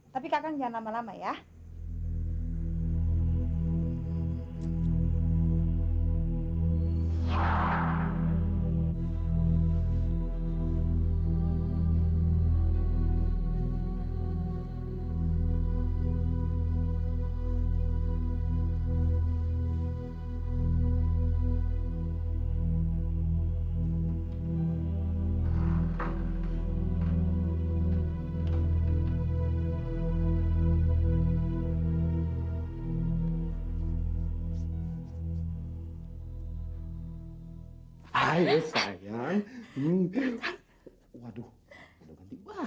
tapi kakang jangan lama lama ya